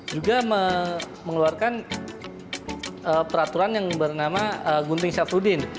juga mengeluarkan peraturan yang bernama gunting syafruddin